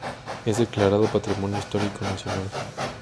Es declarado patrimonio histórico nacional.